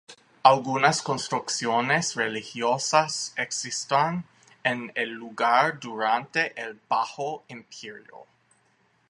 Algunas construcciones religiosas existían en el lugar durante el Bajo Imperio.